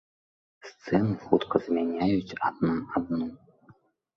Сцэны хутка змяняюць адна адну.